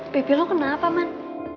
bebi lo kenapa man